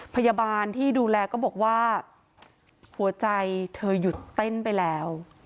พยาบาลที่ดูแลก็บอกว่าหัวใจเธอหยุดเต้นไปแล้ว